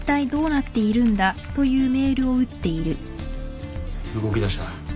動きだした。